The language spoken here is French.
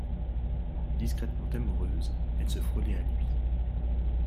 Discrètement amoureuse, elle se frôlait à lui.